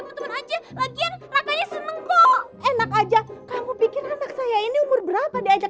kau majuin dia aku tuh babysitter yang pinter tau gak